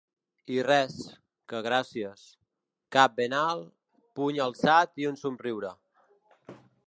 I res, que gràcies: cap ben alt, puny alçat i un somriure.